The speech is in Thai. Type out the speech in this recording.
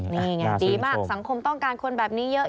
นี่ไงดีมากสังคมต้องการคนแบบนี้เยอะ